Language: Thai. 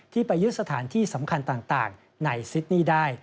ไปยึดสถานที่สำคัญต่างในซิดนี่ได้